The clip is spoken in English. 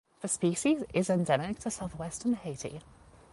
The species is endemic to Southwestern Haiti.